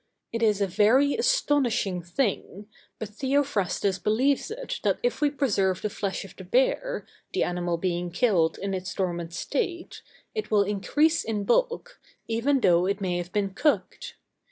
It is a very astonishing thing, but Theophrastus believes it that if we preserve the flesh of the bear, the animal being killed in its dormant state, it will increase in bulk, even though it may have been cooked.